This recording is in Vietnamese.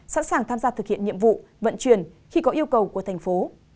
sẵn sàng tham gia thực hiện nhiệm vụ vận chuyển khi có yêu cầu của thành phố